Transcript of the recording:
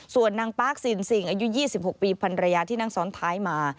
ส่วนนางปาร์คซินซิงอายุ๒๖ปีพันรยาที่นั่งซ้อนท้ายมา